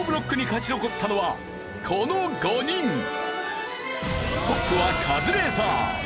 激闘の末トップはカズレーザー。